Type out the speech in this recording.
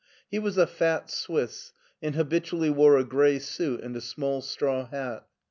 He was a fat Swiss, and habitually wore a gray suit and a small «traw hat.